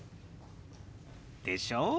でしょ？